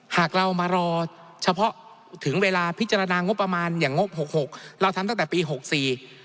หากเรามารอเฉพาะถึงเวลาพิจารณางบประมาณอย่างงบหกหกเราทำตั้งแต่ปีหกสี่